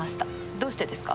どうしてですか？